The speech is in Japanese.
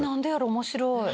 面白い！